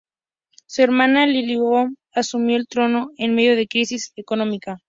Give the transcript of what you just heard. Su hermana Liliʻuokalani asumió el trono en medio de una crisis económica.